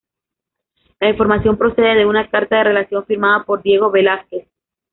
La información procede de una carta de relación firmada por Diego Velázquez.